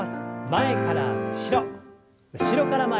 前から後ろ後ろから前に。